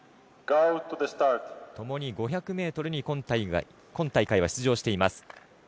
共に５００ｍに今大会は出場しています。